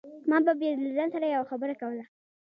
ما به بيا له ځان سره يوه خبره کوله.